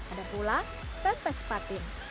ada pula pepes patin